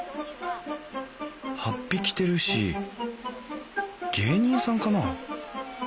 ハッピ着てるし芸人さんかな？